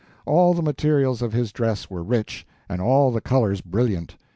All the materials of his dress were rich, and all the colors brilliant.